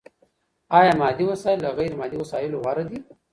ايا مادي وسايل له غير مادي وسايلو غوره دي؟